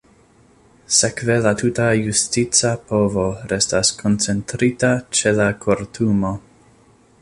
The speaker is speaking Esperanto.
Sekve la tuta justica povo restas koncentrita ĉe la Kortumo.